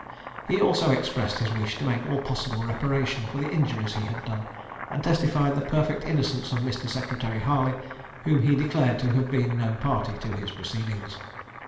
He also expressed his wish to make all possible reparation for the injuries he had done; and testified the perfect innocence of Mr. Secretary Harley, whom he declared to have been no party to his proceedings.